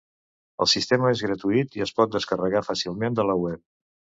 El sistema és gratuït i es pot descarregar fàcilment de la web.